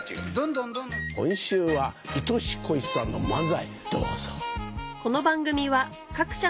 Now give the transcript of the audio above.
今週はいとし・こいしさんの漫才